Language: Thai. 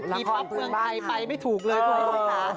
มีป๊อปเมืองไทยไปไม่ถูกเลยคุณผู้ชมค่ะ